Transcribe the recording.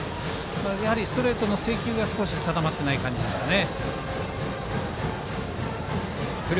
やはりストレートの制球が少し定まっていない感じですね。